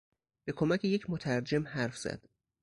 به کمک یک مترجم حرف زد.